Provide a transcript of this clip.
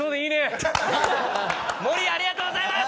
森ありがとうございます！